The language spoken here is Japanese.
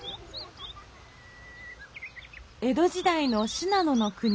江戸時代の信濃の国